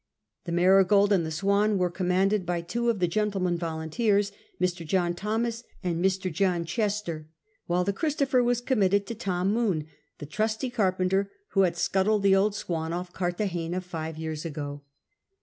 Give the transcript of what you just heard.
The Marygold and the Srmn were com manded by two of the gentlemen volunteers, Mr. John Thomas and Mr. John Chester; while the Chris topher if 2i& committed to Tom Moone, the trusty carpenter who had scuttled the old Swan off Cartagena five years ago.